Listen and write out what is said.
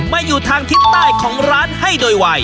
อยู่ทางทิศใต้ของร้านให้โดยไว